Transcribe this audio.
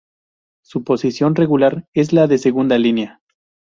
Su posición regular es la de segunda línea.